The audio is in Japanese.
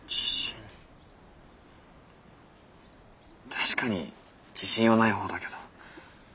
確かに自信はないほうだけど。